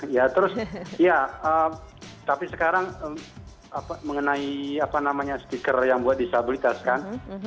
ya terus ya tapi sekarang mengenai apa namanya stiker yang buat disabilitas kan